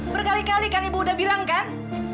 berkali kali kan ibu udah bilang kan